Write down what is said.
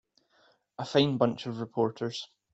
A fine bunch of reporters.